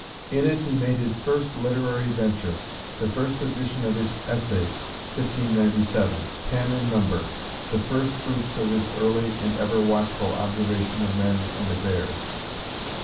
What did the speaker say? In it he made his first literary venture, the first edition of his Essays (1597), ten in number, the first fruits of his early and ever watchful observation of men and affairs.